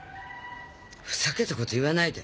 ふざけたこと言わないで！